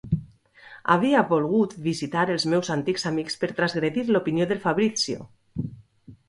Havia volgut visitar els meus antics amics per transgredir l'opinió del Fabrizio.